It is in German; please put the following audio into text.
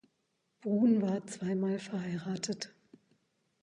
Brun war zweimal verheiratet.